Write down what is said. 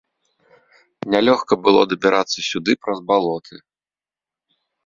Нялёгка было дабірацца сюды праз балоты.